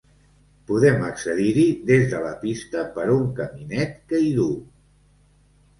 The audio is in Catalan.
Podem accedir-hi des de la pista per un caminet que hi duu.